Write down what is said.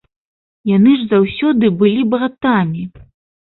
Яны ж заўсёды былі братамі.